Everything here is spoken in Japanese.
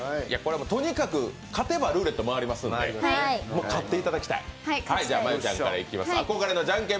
勝てばルーレット回りますんで、勝っていただきたい。